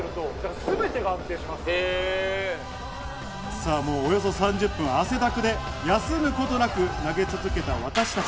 さぁ、もうおよそ３０分、汗だくで休むことなく、投げ続けた私たち。